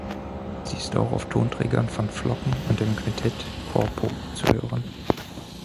Sie ist auch auf Tonträgern von "Flocken" und dem Quintett "Corpo" zu hören.